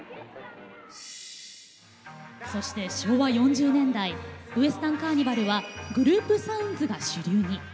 そして、昭和４０年代ウエスタンカーニバルはグループサウンズが主流に。